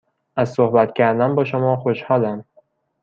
از صحبت کردن با شما خوشحالم.